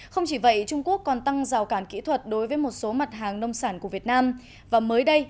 không chỉ vậy trung quốc còn tăng rào cản kỹ thuật đối với một số mặt hàng nông sản của việt nam